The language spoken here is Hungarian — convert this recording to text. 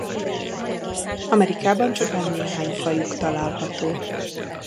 Amerikában csupán néhány fajuk található.